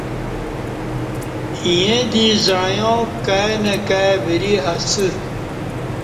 ییں دی زعیاں کائی نئی کائی وری اسہ